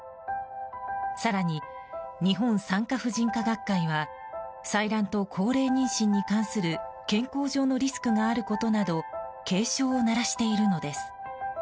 更に、日本産科婦人科学会は採卵と高齢妊娠に関する健康上のリスクがあることなど警鐘を鳴らしているのです。